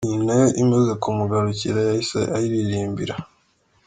Iyi nayo imaze kumugarukira yahise ayiririmbira.